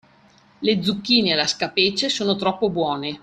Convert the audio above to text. Le zucchine alla scapece sono troppo buone!